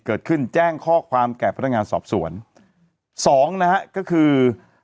เกิดขึ้นแจ้งข้อความแก่พันธการสอบสวนสองนะฮะก็คือเอ่อ